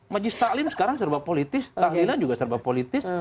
majis taklim sekarang serba politis tahlilan juga serba politis